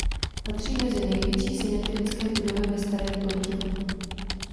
Patří mezi největší symetrické budovy ve Starém Plovdivu.